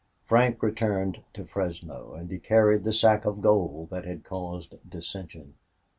Frank returned to Fresno, and he carried the sack of gold that had caused dissension.